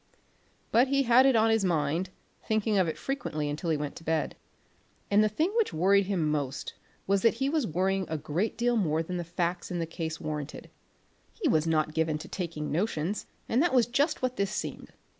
But he had it on his mind, thinking of it frequently until he went to bed. And the thing which worried him most was that he was worrying a great deal more than the facts in the case warranted. He was not given to taking notions, and that was just what this seemed.